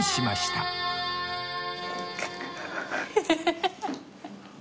ハハハハ！